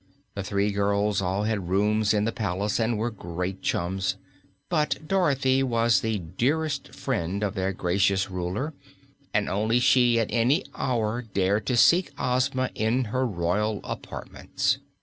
The three girls all had rooms in the palace and were great chums; but Dorothy was the dearest friend of their gracious Ruler and only she at any hour dared to seek Ozma in her royal apartments.